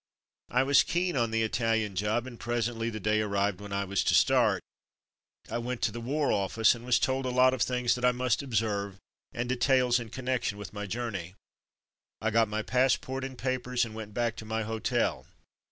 I was keen on the Italian job, and pre sently the day arrived when I was to start. I went to the War Office and was told a lot of things that I must observe, and details in connection with my journey. I got my passport and papers, and went back to my hotel.